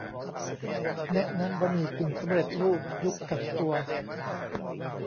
แนะนำบะหมี่กึ่งสำเร็จรูปยุคกักตัว